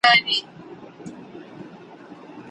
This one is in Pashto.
شیدې ورکوونکې میندي کوم خواړه خوري؟